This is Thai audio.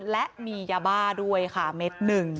และมียาบ้าด้วยค่ะเม็ด๑